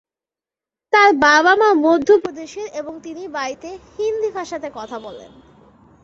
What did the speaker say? তার বাবা-মা মধ্যপ্রদেশের এবং তিনি বাড়িতে হিন্দি ভাষাতে কথা বলেন।